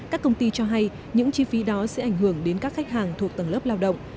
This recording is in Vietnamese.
các công ty cho hay những chi phí đó sẽ ảnh hưởng đến các khách hàng thuộc tầng lớp lao động